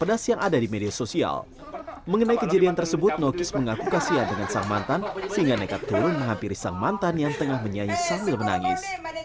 mengenai kejadian tersebut nokis mengaku kasian dengan sang mantan sehingga nekat turun menghampiri sang mantan yang tengah menyanyi sambil menangis